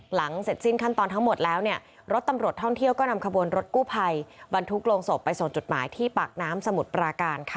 หลังเสร็จสิ้นขั้นตอนทั้งหมดแล้วเนี่ยรถตำรวจท่องเที่ยวก็นำขบวนรถกู้ภัยบรรทุกโรงศพไปส่งจุดหมายที่ปากน้ำสมุทรปราการค่ะ